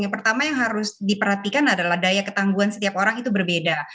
yang pertama yang harus diperhatikan adalah daya ketangguhan setiap orang itu berbeda